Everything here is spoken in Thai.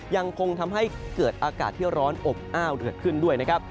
ยังคงทำให้เกิดอากาศที่ร้อนอบอ้าวเดือดขึ้นด้วยนะครับ